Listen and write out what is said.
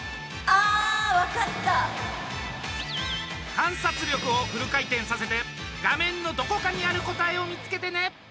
観察力をフル回転させて画面のどこかにある答えを見つけてね！